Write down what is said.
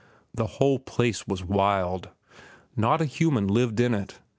The whole place was wild. Not a human lived in it.